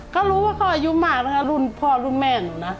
ก็รู้ว่าเขาอายุมากนะคะรุ่นพ่อรุ่นแม่หนูนะ